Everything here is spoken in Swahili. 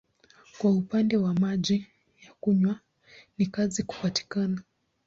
Kwa upande wa maji ya kunywa ni kazi kupatikana.